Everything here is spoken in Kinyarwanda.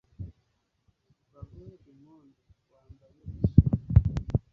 baguhe impundu, wambaye ishema